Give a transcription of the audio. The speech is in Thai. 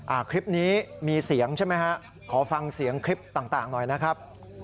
คลิปนี้มีเสียงใช่ไหมฮะขอฟังเสียงคลิปต่างต่างหน่อยนะครับ